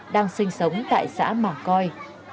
đang sinh sống tại xã mà coi